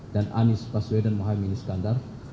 dan anies paswedan mohamad miniskandar